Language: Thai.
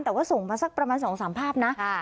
แต่ว่าส่งมาสักประมาณ๒๓ภาพนะ